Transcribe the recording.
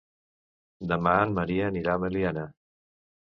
Demà en Maria anirà a Meliana.